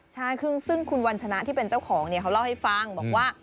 ใช่ซึ่งคุณวัญชนะที่เป็นเจ้าของเนี่ยเขาเล่าให้ฟังบอกว่า